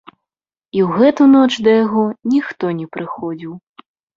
І ў гэту ноч да яго ніхто не прыходзіў.